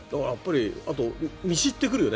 あと、見知ってくるよね